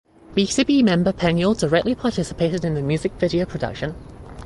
BtoB member Peniel directly participated in the music video production.